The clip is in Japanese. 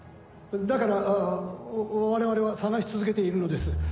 だから我々は探し続けているのです。